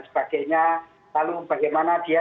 sebagainya lalu bagaimana dia